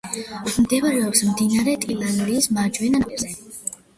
მდებარეობს მდინარე ტილიანის მარჯვენა ნაპირზე.